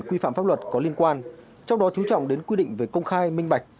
quy phạm pháp luật có liên quan trong đó chú trọng đến quy định về công khai minh bạch